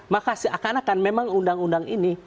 maka seakan akan memang undang undang ini